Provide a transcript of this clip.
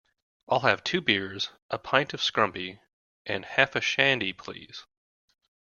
I'll have two beers, a pint of scrumpy and half a shandy please